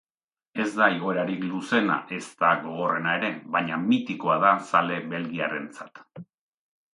Ez da igoerarik luzeena ezta gogorrena ere, baina mitikoa da zale belgiarrentzat.